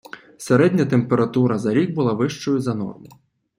Середня температура за рік була вищою за норму.